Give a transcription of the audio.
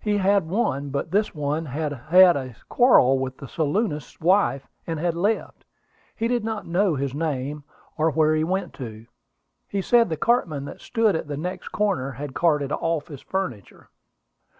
He had one; but this one had had a quarrel with the saloonist's wife, and had left. He did not know his name, or where he went to. He said the cartman that stood at the next corner had carted off his furniture."